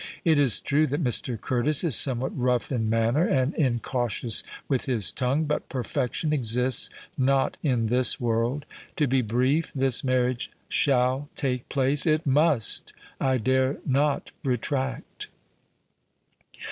It is true that Mr. Curtis is somewhat rough in manner and incautious with his tongue; but perfection exists not in this world. To be brief, this marriage shall take place—it must—I dare not retract."